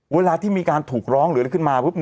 เวลาที่มีการถูกร้องหรือขึ้นมา